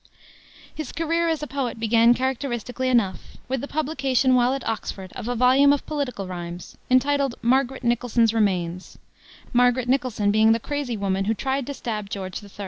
His career as a poet began characteristically enough, with the publication, while at Oxford, of a volume of political rimes, entitled Margaret Nicholson's Remains, Margaret Nicholson being the crazy woman who tried to stab George III.